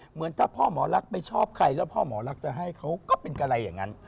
เหมือนถ้าพ่อหมอรักไม่ชอบใครแล้วพ่อหมอรักจะให้เขาก็เป็นอะไรอย่างนั้น